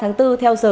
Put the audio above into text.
đưa quân khỏi syri